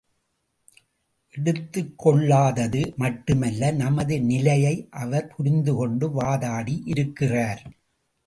எடுத்துக்கொள்ளாதது மட்டுமல்ல, நமது நிலையை அவர் புரிந்து கொண்டு வாதாடி யிருக்கிறார்.